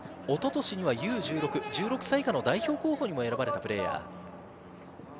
一昨年にはＵ−１６、１６歳以下の代表候補にも選ばれたプレーヤー。